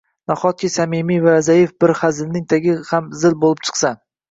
Nahotki, samimiy va zaif bir hazilning tagi ham zil bo’lib chiqsa?